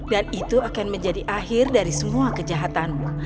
dan itu akan menjadi akhir dari semua kejahatanmu